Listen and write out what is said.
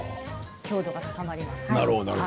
強度が高まります。